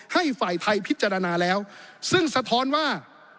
ให้ฝ่ายไทยพิจารณาแล้วซึ่งสะท้อนว่า